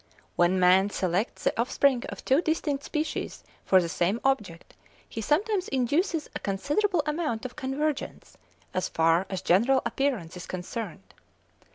When man selects the offspring of two distinct species for the same object, he sometimes induces a considerable amount of convergence, as far as general appearance is concerned.